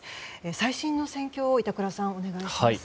最新の戦況を板倉さん、お願いします。